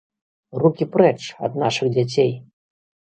Рукі прэч ад нашых дзяцей!